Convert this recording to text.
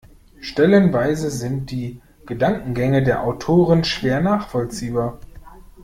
Stellenweise sind die Gedankengänge der Autorin schwer nachvollziehbar.